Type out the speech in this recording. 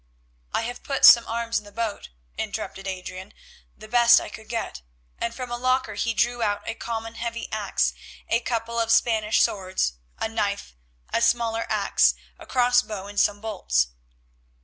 "I have put some arms in the boat," interrupted Adrian, "the best I could get," and from a locker he drew out a common heavy axe, a couple of Spanish swords, a knife, a smaller axe, a cross bow and some bolts.